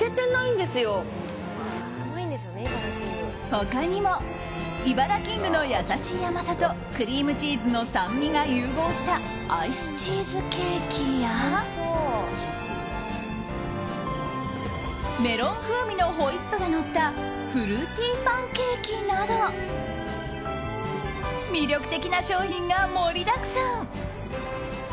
他にもイバラキングの優しい甘さとクリームチーズの酸味が融合したアイスチーズケーキやメロン風味のホイップがのったフルーティーパンケーキなど魅力的な商品が盛りだくさん。